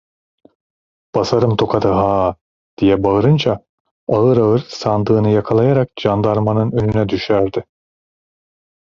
"Basarım tokadı ha!" diye bağırınca ağır ağır sandığını yakalayarak candarmanın önüne düşerdi.